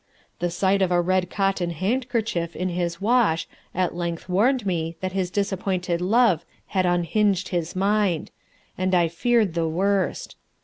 The sight of a red cotton handkerchief in his wash at length warned me that his disappointed love had unhinged his mind, and I feared the worst.